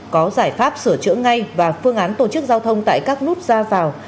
có giải pháp sửa chữa ngay và phương án tổ chức giao thông tại các nút giao vào